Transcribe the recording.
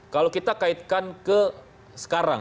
kalau kita kaitkan ke sekarang